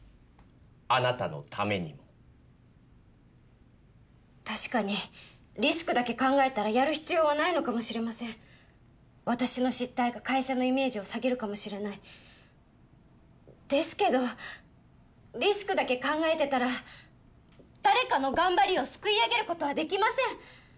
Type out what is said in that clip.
あなたのためにも確かにリスクだけ考えたらやる必要はないのかもしれません私の失態が会社のイメージを下げるかもしれないですけどリスクだけ考えてたら誰かの頑張りをすくい上げることはできません